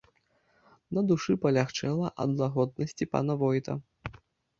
На душы палягчэла ад лагоднасці пана войта.